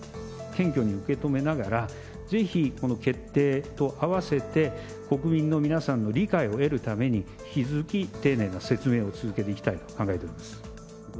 謙虚に受け止めながら、ぜひこの決定と合わせて、国民の皆さんの理解を得るために、引き続き、丁寧な説明を続けていきたいと考えております。